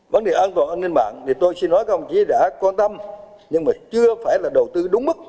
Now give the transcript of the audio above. vấn đề an toàn an ninh mạng thì tôi xin nói các ông chí đã quan tâm nhưng mà chưa phải là đầu tư đúng mức